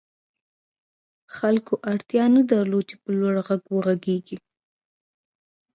خلکو اړتیا نه درلوده چې په لوړ غږ وغږېږي